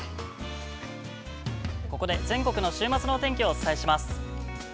◆ここで全国の週末のお天気をお伝えします。